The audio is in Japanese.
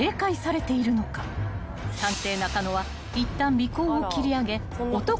［探偵中野はいったん］